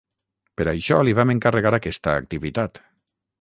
Per això li vam encarregar aquesta activitat.